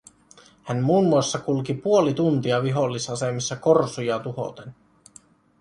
Hän muun muassa kulki puoli tuntia vihollisasemissa korsuja tuhoten